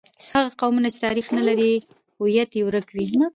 هغه قومونه چې تاریخ نه لري، هویت یې ورک وي.